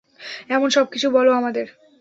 এখন সবকিছু বল আমাদের!